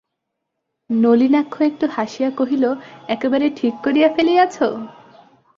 নলিনাক্ষ একটু হাসিয়া কহিল, একেবারে ঠিক করিয়া ফেলিয়াছ?